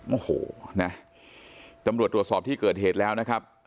โอ้โหนะตำรวจตรวจสอบที่เกิดเหตุแล้วนะครับ